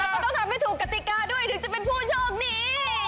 ก็ต้องทำให้ถูกกติกาด้วยถึงจะเป็นผู้โชคดี